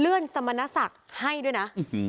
เลื่อนสมรสักฆ์ให้ด้วยนะ